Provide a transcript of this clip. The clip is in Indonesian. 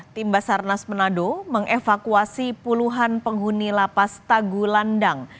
timbasarnas menado mengevakuasi puluhan penghuni lapas tagulandang